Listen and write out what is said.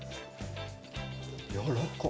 やわらかい！